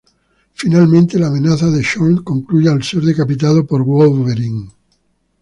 Finalmente la amenaza de Xorn concluye al ser decapitado por Wolverine.